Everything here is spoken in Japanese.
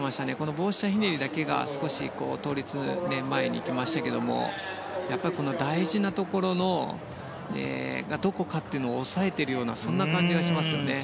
棒下ひねりだけが少し倒立前に行きましたけどやっぱり、大事なところがどこかというのを押さえているようなそんな感じがしますね。